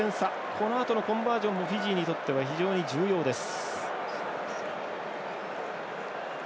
このあとのコンバージョンもフィジーにとっては非常に重要です。